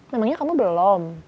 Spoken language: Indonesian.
memangnya kamu belum